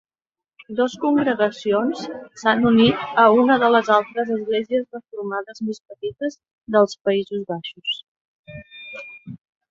Dos congregacions s'han unit a una de les altres esglésies reformades més petites dels Països Baixos.